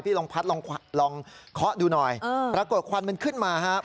ลองพัดลองเคาะดูหน่อยปรากฏควันมันขึ้นมาครับ